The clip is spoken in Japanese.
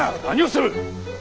何をする！